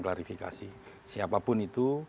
klarifikasi siapapun itu